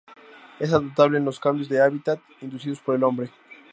Es adaptable a los cambios de hábitat inducidos por el hombre.